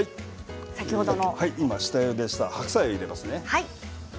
下ゆでした白菜を入れますね。